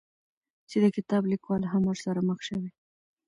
چې د کتاب ليکوال هم ورسره مخ شوى،